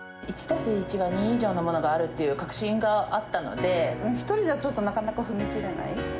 １足す１が２以上のものがあるっていう確信があったので、１人じゃちょっとなかなか踏み切れない。